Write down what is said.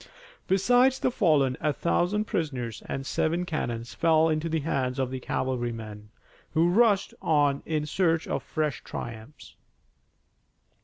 Besides the fallen a thousand prisoners and seven cannon fell into the hands of the cavalrymen, who rushed on in search of fresh triumphs.